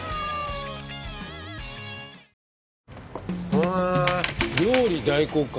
へえ料理代行か。